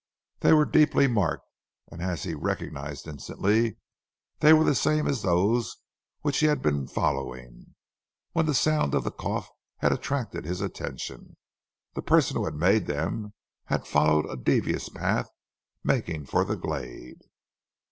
They were deeply marked, and as he recognized instantly were the same as those which he had been following, when the sound of the cough had attracted his attention. The person who had made them had followed a devious path, making for the glade.